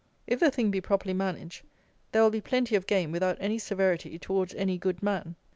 If the thing be properly managed, there will be plenty of game without any severity towards any good man.